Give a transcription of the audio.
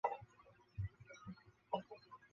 女性仍负担家庭照顾的主要角色